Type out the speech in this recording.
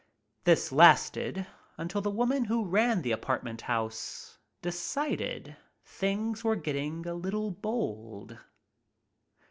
This lasted until the woman who ran the apartment house decided things were getting a little bold.